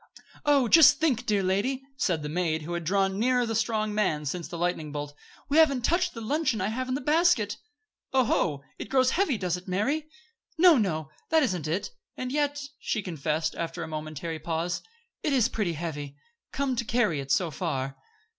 "Oh! Just think, dear lady," said the maid, who had drawn nearer the strong man since the lightning bolt. "We haven't touched the luncheon I have in the basket." "Oho, it grows heavy, does it, Mary?" "No, no; that isn't it. And yet," she confessed, after a momentary pause, "it is pretty heavy, come to carry it so far."